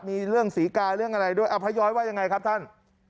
มีเรื่องศรีกาเรื่องอะไรด้วยพระย้อยว่ายังไงครับท่าน